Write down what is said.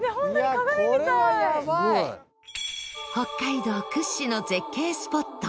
北海道屈指の絶景スポット